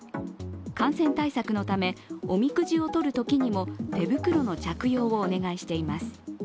感染対策のため、おみくじを取るときにも手袋の着用をお願いしています。